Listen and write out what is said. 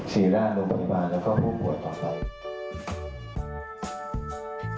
ศรีราชโรงพยาบาลแล้วก็ผู้ป่วยต่อไป